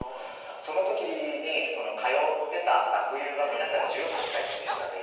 その時に通ってた学友が皆さん１８歳年下で。